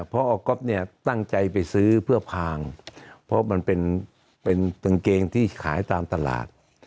พอก๊อฟเนี่ยตั้งใจไปซื้อเพื่อพางเพราะมันเป็นกางเกงที่ขายตามตลาด